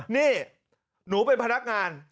นี่หนูเป็นพนักงาน